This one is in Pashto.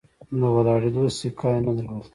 د ولاړېدو سېکه یې نه درلوده.